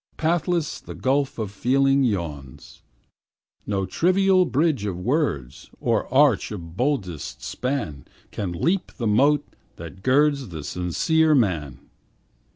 Pathless the gulf of feeling yawns; No trivial bridge of words, Or arch of boldest span, Can leap the moat that girds The sincere man.